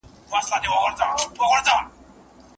هغې د ژوند د ماهيت خبره پټه ساتل